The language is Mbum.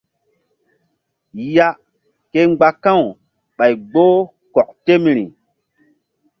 Ya ke mgba ka̧w ɓay gboh kɔk temri.